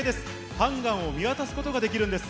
ハンガンを見渡すことができるんです。